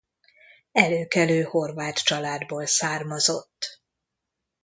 Előkelő horvát családból származott.